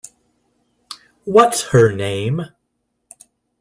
What's her name?